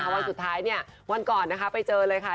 วันสุดท้ายวันก่อนไปเจอเลยค่ะ